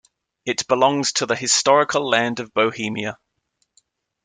It belongs to the historical land of Bohemia.